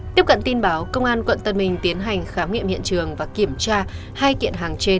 tiếp cận tin báo công an quận tân bình tiến hành khám nghiệm hiện trường và kiểm tra hai kiện hàng trên